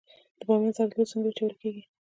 د بامیان زردالو څنګه وچول کیږي؟